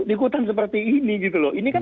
ikutan seperti ini gitu loh ini kan